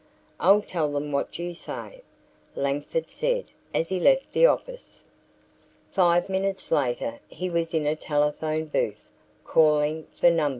"I'll tell them what you say," Langford said as he left the office. Five minutes later he was in a telephone booth calling for No.